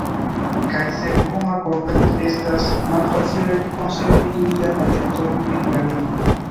Kaj sen homa kontakto, estas malfacile konservi ilian atenton pri la lingvo.